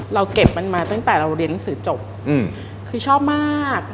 เราเก็บมันมาตั้งแต่เราเรียนหนังสือจบคือชอบมาก